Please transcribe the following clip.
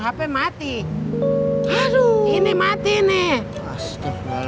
ke kiri bang